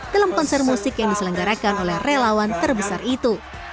dalam konser musik yang diselenggarakan oleh relawan terbesar itu